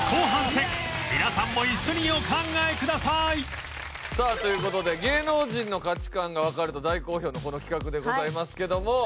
皆さんも一緒にお考えくださいという事で芸能人の価値観がわかると大好評のこの企画でございますけども。